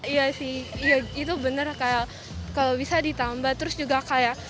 iya sih iya itu bener kayak kalau bisa ditambah terus juga kayak